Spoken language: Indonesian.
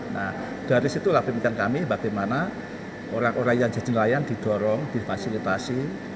nah dari situlah pemikiran kami bagaimana orang orang yang jadi nelayan didorong difasilitasi